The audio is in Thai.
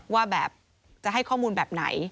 ว่าแบบจะให้ข้อมูลแบบไหน